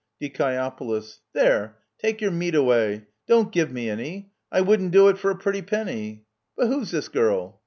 Die. There — take your meat away ! Don't give me any ! I wouldn't do it for a pretty penny ! But who's this girl?